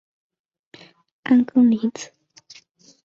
氨分子与一个氢离子配位结合就形成铵根离子。